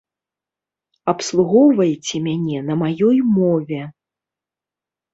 Абслугоўвайце мяне на маёй мове.